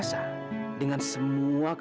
dia memang banyak